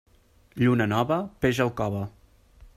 Lluna nova, peix al cove.